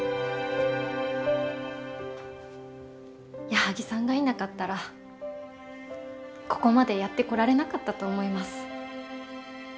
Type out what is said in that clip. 矢作さんがいなかったらここまでやってこられなかったと思います。